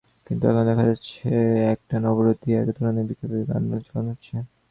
কিন্তু এখন দেখা যাচ্ছে, একটানা অবরোধ দিয়ে একধরনের বিবেকহীন আন্দোলন চালানো হচ্ছে।